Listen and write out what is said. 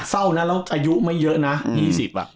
เศร้านะแล้วอายุไม่เยอะนะ๒๐อ่ะ